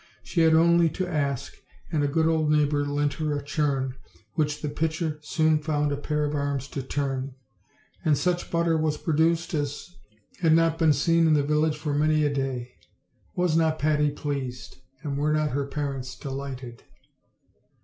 She had only to ask, and a good old neighbor lent her a churn, which the pitcher soon found a pair of arms to turn; and such butter was produced as 24 OLD, OLD FAIRY TALES. had not been seen in the village for many a day. Was not Patty pleased, and were not her parents delighted?